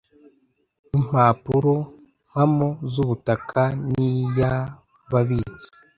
w impapurompamo z ubutaka n iy ababitsi